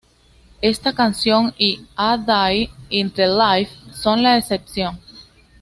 Esta canción y "A Day in the Life" son la excepción.